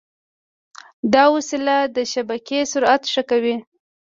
دا وسیله د شبکې سرعت ښه کوي.